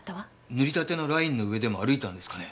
塗りたてのラインの上でも歩いたんですかね？